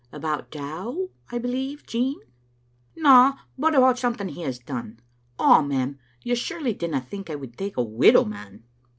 " About Dow, I believe, Jean?" " Na, but about something he has done. Oh, ma'am, you surely dinna think I would take a widow man?"